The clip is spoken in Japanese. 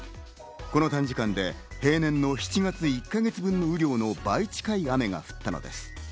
この短時間で平年の７月の１か月分の雨量の倍近い雨が降ったのです。